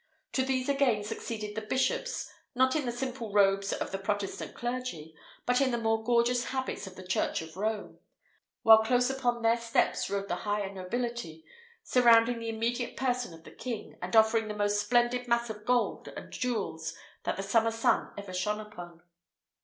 To these again succeeded the bishops, not in the simple robes of the Protestant clergy, but in the more gorgeous habits of the church of Rome; while close upon their steps rode the higher nobility, surrounding the immediate person of the king, and offering the most splendid mass of gold and jewels that the summer sun ever shone upon.